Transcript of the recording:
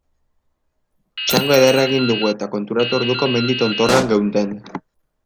Txango ederra egin dugu eta konturatu orduko mendi tontorrean geunden.